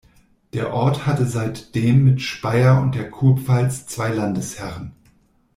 Der Ort hatte seitdem mit Speyer und der Kurpfalz zwei Landesherren.